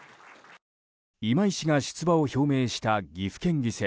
今井氏が出馬を表明した岐阜県議選